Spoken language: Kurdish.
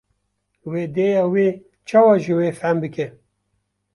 wê dêya we çawa ji we fehm bike